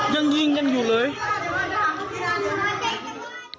ยังยิงกันอยู่เลย